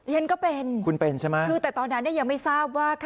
ฉันก็เป็นคุณเป็นใช่ไหมคือแต่ตอนนั้นเนี่ยยังไม่ทราบว่า